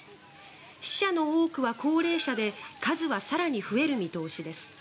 死者の多くは高齢者で数は更に増える見通しです。